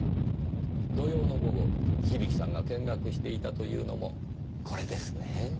土曜の午後響さんが見学していたというのもこれですね？